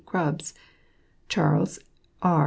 Grubb); Charles R.